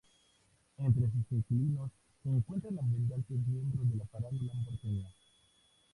Entre sus inquilinos se encuentran abundantes miembros de la farándula porteña.